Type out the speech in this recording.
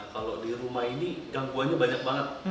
kalau di rumah ini gangguannya banyak banget